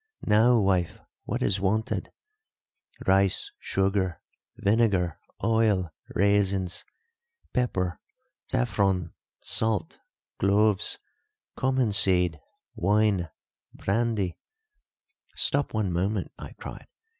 Now, wife, what is wanted rice, sugar, vinegar, oil, raisins, pepper, saffron, salt, cloves, cummin seed, wine, brandy " "Stop one moment," I cried.